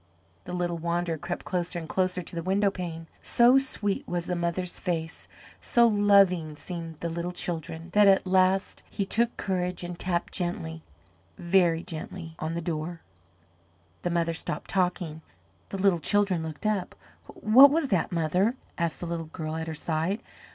The little wanderer crept closer and closer to the window pane. So sweet was the mother's face, so loving seemed the little children, that at last he took courage and tapped gently, very gently on the door. The mother stopped talking, the little children looked up. "What was that, mother?" asked the little girl at her side.